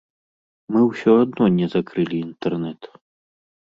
Мы ўсё адно не закрылі інтэрнэт.